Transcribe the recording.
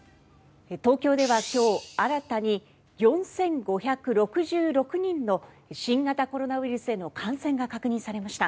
東京では今日、新たに４５６６人の新型コロナウイルスへの感染が確認されました。